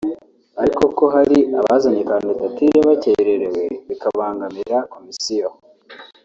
ariko ko hari abazanye kandidatire bakererewe bikabangamira Komisiyo